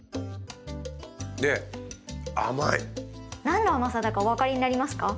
何の甘さだかお分かりになりますか？